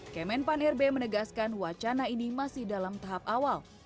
kemenpan rb menegaskan wacana ini masih dalam tahap awal